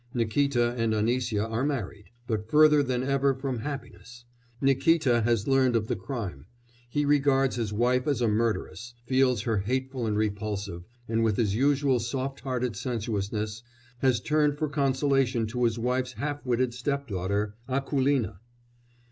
Nikíta and Anisya are married, but further than ever from happiness! Nikíta has learnt of the crime; he regards his wife as a murderess, feels her hateful and repulsive, and, with his usual soft hearted sensuousness, has turned for consolation to his wife's half witted stepdaughter Akoulina.